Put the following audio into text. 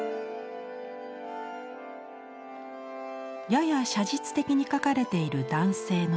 やや写実的に描かれている男性の顔